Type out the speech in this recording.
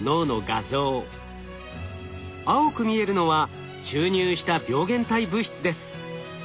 青く見えるのは注入した病原体物質です。